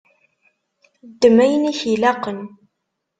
Ddem ayen i k-ilaqen.